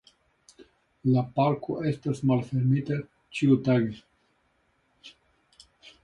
La parko estas malfermita ĉiutage.